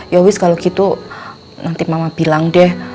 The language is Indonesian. ya wis kalau gitu nanti mama bilang deh